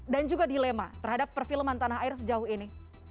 dan juga dilema terhadap perfilman tanah air sejauh ini